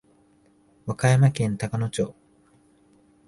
和歌山県高野町